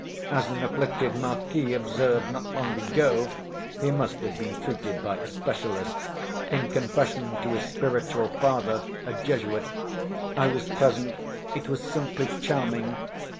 As an afflicted marquis observed not long ago (he must have been treated by a specialist) in confession to his spiritual father—a Jesuit. I was present, it was simply charming.